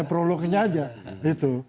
ya prolognya aja itu